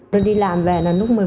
tôi đi làm về là lúc